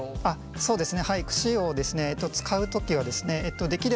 そうですね